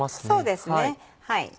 そうですね。